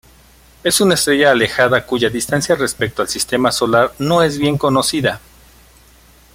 Es una estrella alejada cuya distancia respecto al Sistema Solar no es bien conocida.